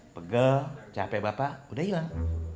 pegel capek bapak udah hilang